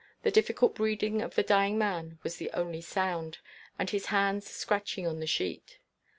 The difficult breathing of the dying man was the only sound, and his hands scratching on the sheet.